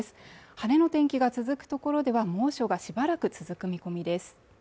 晴れの天気が続く所では猛暑がしばらく続く見込みです